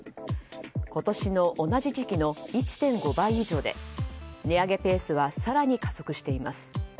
今年の同じ時期の１．５倍以上で値上げペースは更に加速しています。